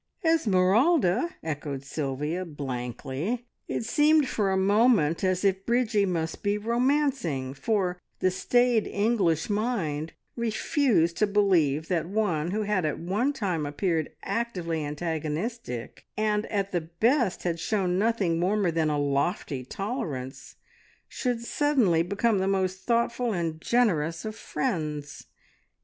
"Esmeralda!" echoed Sylvia blankly. It seemed for a moment as if Bridgie must be romancing, for the staid English mind refused to believe that one who had at one time appeared actively antagonistic, and at the best had shown nothing warmer than a lofty tolerance, should suddenly become the most thoughtful and generous of friends.